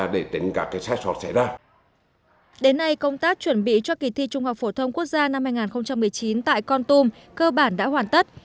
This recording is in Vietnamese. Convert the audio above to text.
đến nay công tác chuẩn bị cho kỳ thi trung học phổ thông quốc gia năm hai nghìn một mươi chín tại con tum cơ bản đã hoàn tất